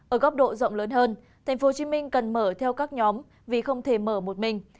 ở góc độ rộng lớn hơn tp hcm cần mở theo các nhóm vì không thể mở một mình